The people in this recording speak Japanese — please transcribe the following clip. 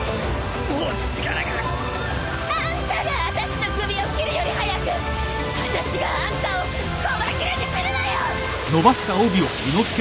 もう力があんたがあたしの首を斬るより早くあたしがあんたを細切れにするわよ！